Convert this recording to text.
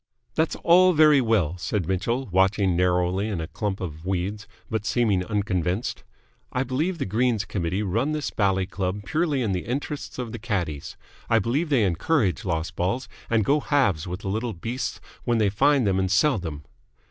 "That's all very well," said Mitchell, watching narrowly in a clump of weeds but seeming unconvinced. "I believe the Greens Committee run this bally club purely in the interests of the caddies. I believe they encourage lost balls, and go halves with the little beasts when they find them and sell them!"